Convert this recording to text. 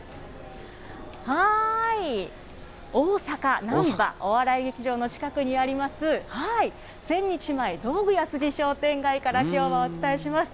大阪・難波、お笑い劇場の近くにあります、千日前道具屋筋商店街から、きょうはお伝えします。